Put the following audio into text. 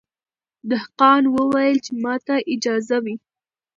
دهقان وویل که ماته اجازه وي